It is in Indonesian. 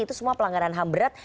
itu semua pelanggaran ham berat